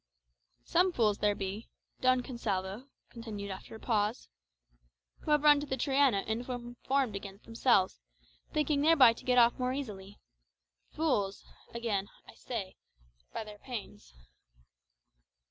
"Some fools there be," Don Gonsalvo continued after a pause, "who have run to the Triana, and informed against themselves, thinking thereby to get off more easily. Fools, again I say, for their pains."